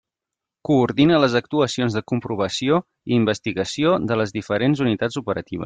Coordina les actuacions de comprovació i investigació de les diferents unitats operatives.